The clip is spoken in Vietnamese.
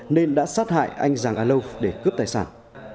nên đã sát hại anh giàng a lâu để cướp tài sản